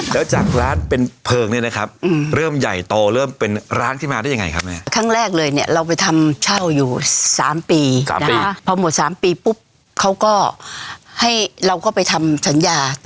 เราก็เลยมาทำร้านเราเลย